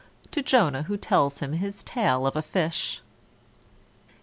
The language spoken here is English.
To =J=onah, who tells him his tale of a fish.